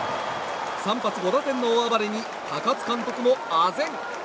３発５打点の大暴れに高津監督も、あぜん。